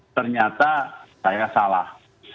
ternyata saya salah